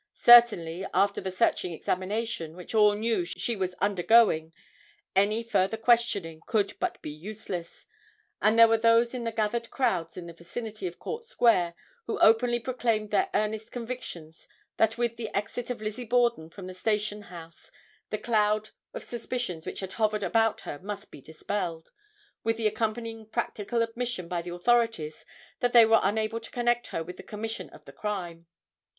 Certainly, after the searching examination, which all knew she was undergoing, any further questioning could but be useless, and there were those in the gathered crowds in the vicinity of Court Square who openly proclaimed their earnest convictions that with the exit of Lizzie Borden from the station house the cloud of suspicions which had hovered about her must be dispelled, with the accompanying practical admission by the authorities that they were unable to connect her with the commission of the crime.